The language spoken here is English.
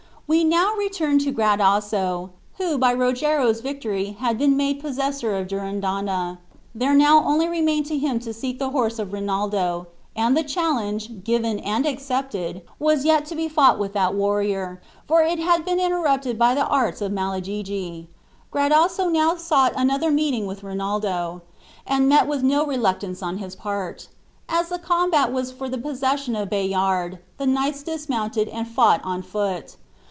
We now return to Gradasso, who by Rogero's victory had been made possessor of Durindana. There now only remained to him to seek the horse of Rinaldo; and the challenge, given and accepted, was yet to be fought with that warrior, for it had been interrupted by the arts of Malagigi. Gradasso now sought another meeting with Rinaldo, and met with no reluctance on his part. As the combat was for the possession of Bayard, the knights dismounted and fought on foot.